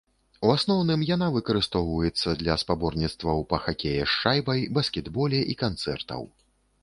У асноўным, яна выкарыстоўваецца для спаборніцтваў па хакеі з шайбай, баскетболе і канцэртаў.